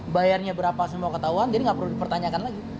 bayarnya berapa semua ketahuan jadi nggak perlu dipertanyakan lagi